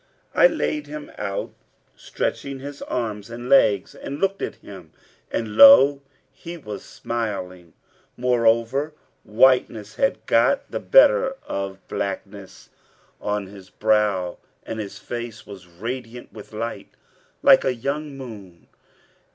I laid him out stretching his arms and legs and looked at him, and lo! he was smiling. Moreover, whiteness had got the better of blackness on his brow, and his face was radiant with light like a young moon.